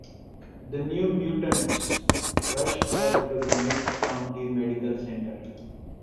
The New Mutants rushed her to the Mid-County Medical Center.